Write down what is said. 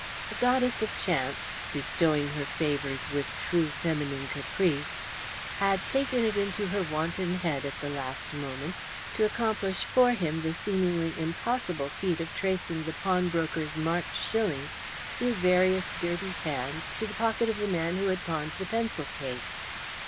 The goddess of Chance, bestowing her favours with true feminine caprice, had taken it into her wanton head, at the last moment, to accomplish for him the seemingly impossible feat of tracing the pawnbroker's marked shilling, through various dirty hands, to the pocket of the man who had pawned the pencil case.